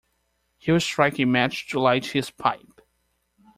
He will strike a match to light his pipe.